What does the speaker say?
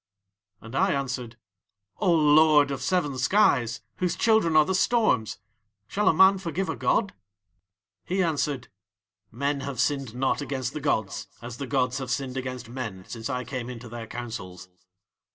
"And I answered: 'O Lord of seven skies, whose children are the storms, shall a man forgive a god?' "He answered: 'Men have sinned not against the gods as the gods have sinned against men since I came into Their councils.'